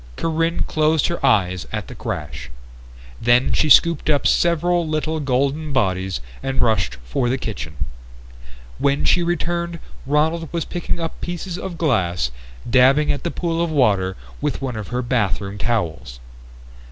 Corinne closed her eyes at the crash. Then she scooped up several little golden bodies and rushed for the kitchen. When she returned Ronald was picking up pieces of glass and dabbing at the pool of water with one of her bathroom towels.